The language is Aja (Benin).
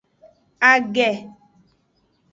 Age.